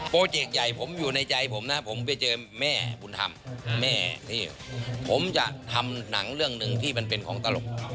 เจกต์ใหญ่ผมอยู่ในใจผมนะผมไปเจอแม่บุญธรรมแม่ที่ผมจะทำหนังเรื่องหนึ่งที่มันเป็นของตลก